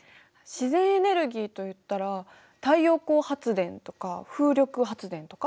自然エネルギーといったら太陽光発電とか風力発電とか？